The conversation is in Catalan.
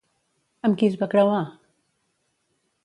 Amb qui es va creuar?